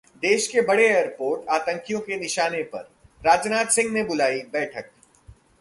देश के बड़े एयरपोर्ट आतंकियों के निशाने पर, राजनाथ सिंह ने बुलाई बैठक